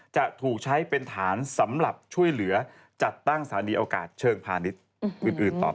จะถูกใช้เป็นฐานสำหรับช่วยเหลือจัดตั้งสถานีโอกาสเชิงพาณิชย์อื่นต่อไป